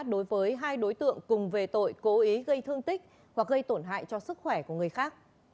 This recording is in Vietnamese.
đối với hai đối tượng cùng về tội cố ý gây thương tích hoặc gây tổn hại cho sức khỏe của người khác